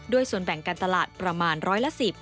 ส่วนแบ่งการตลาดประมาณร้อยละ๑๐